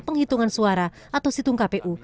penghitungan suara atau situng kpu